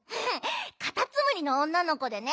カタツムリのおんなのこでね